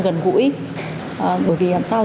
gần gũi bởi vì làm sao